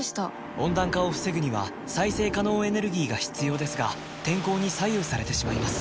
温暖化を防ぐには再生可能エネルギーが必要ですが天候に左右されてしまいます